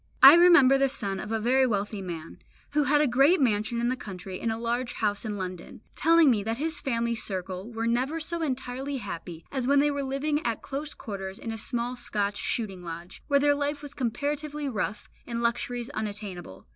I remember the son of a very wealthy man, who had a great mansion in the country and a large house in London, telling me that his family circle were never so entirely happy as when they were living at close quarters in a small Scotch shooting lodge, where their life was comparatively rough, and luxuries unattainable.